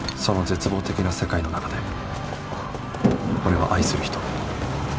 その絶望的な世界の中で俺は愛する人